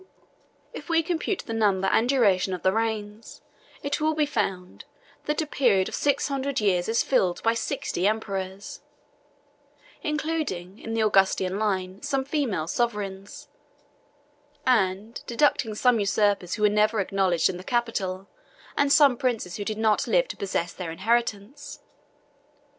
If we compute the number and duration of the reigns, it will be found, that a period of six hundred years is filled by sixty emperors, including in the Augustan list some female sovereigns; and deducting some usurpers who were never acknowledged in the capital, and some princes who did not live to possess their inheritance.